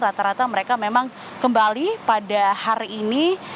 rata rata mereka memang kembali pada hari ini